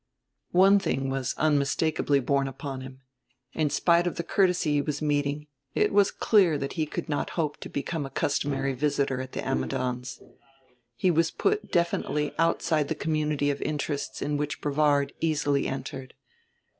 One thing was unmistakably borne upon him in spite of the courtesy he was meeting it was clear that he could not hope to become a customary visitor at the Ammidons'. He was put definitely outside the community of interests in which Brevard easily entered.